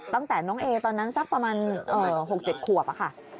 ตั้งแต่น้องเอตอนนั้นสักประมาณ๖๗ขวบค่ะ